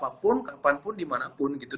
kalau siapapun kapanpun dimanapun gitu